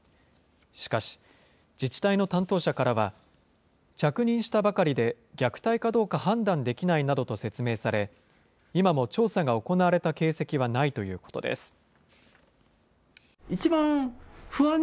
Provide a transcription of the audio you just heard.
しかし、自治体の担当者からは、着任したばかりで虐待かどうか判断できないなどと説明され、今も調査が行われた形跡はないということです。